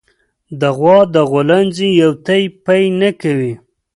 د غوا د غولانځې يو تی پئ نه کوي